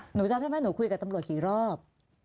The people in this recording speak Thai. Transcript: หนูจำได้ไหมหนูคุยกับตำรวจกี่รอบ